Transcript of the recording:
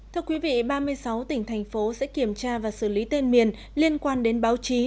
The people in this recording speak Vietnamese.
thưa quý vị ba mươi sáu tỉnh thành phố sẽ kiểm tra và xử lý tên miền liên quan đến báo chí